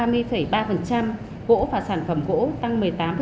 gỗ và sản phẩm gỗ tăng một mươi tám